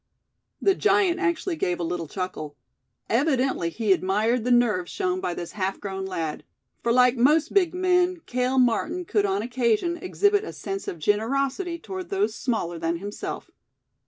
The giant actually gave a little chuckle. Evidently he admired the nerve shown by this half grown lad; for like most big men Cale Martin could on occasion, exhibit a sense of generosity toward those smaller than himself.